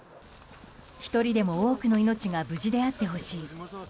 １人でも多くの命が無事であってほしい。